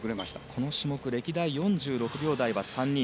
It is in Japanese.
この種目、歴代４６秒台が３人。